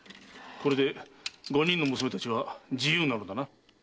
これで五人の娘たちは自由なのだな？